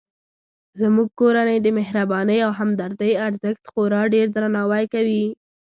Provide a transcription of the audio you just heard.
زموږ کورنۍ د مهربانۍ او همدردۍ ارزښت خورا ډیردرناوی کوي